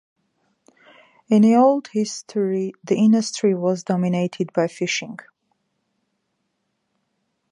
In the old history, the industry was dominated by fishing.